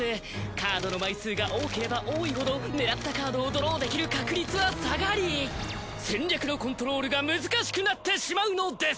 カードの枚数が多ければ多いほど狙ったカードをドローできる確率は下がり戦略のコントロールが難しくなってしまうのです。